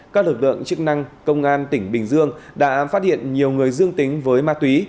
các lực lượng chức năng công an tỉnh bình dương đã phát hiện nhiều người dương tính với ma túy